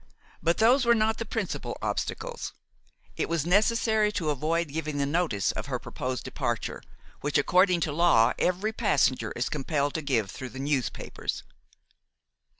But those were not the principal obstacles; it was necessary to avoid giving the notice of her proposed departure, which, according to law, every passenger is compelled to give through the newspapers.